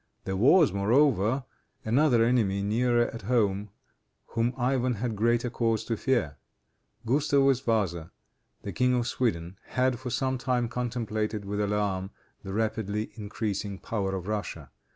There was, moreover, another enemy nearer at home whom Ivan had greater cause to fear. Gustavus Vasa, the King of Sweden, had, for some time, contemplated with alarm the rapidly increasing power of Russia.